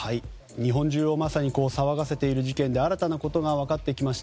日本中を騒がせている事件で新たなことが分かってきました。